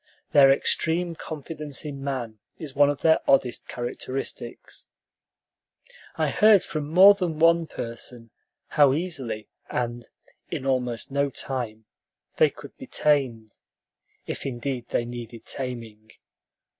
Their extreme confidence in man is one of their oddest characteristics. I heard from more than one person how easily and "in almost no time" they could be tamed, if indeed they needed taming.